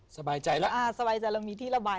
สบายใจแล้วอ่าสบายใจเรามีที่ระบาย